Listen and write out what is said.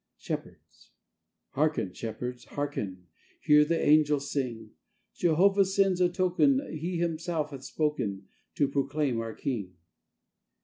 (Shepherds)Harken, Shepherds, harken, Hear the angels sing! Jehovah sends a token, He himself hath spokenTo proclaim our King.